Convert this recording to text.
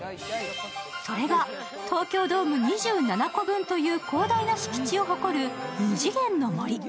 それが東京ドーム２７個分という広大な敷地を誇るニジゲンノモリ。